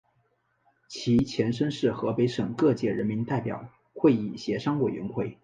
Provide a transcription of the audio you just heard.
其前身是河北省各界人民代表会议协商委员会。